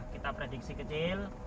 kita prediksi kecil